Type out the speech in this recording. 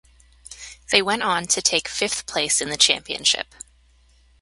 They went on to take fifth place in the championship.